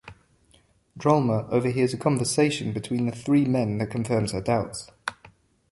Drolma overhears a conversation between the three men that confirms her doubts.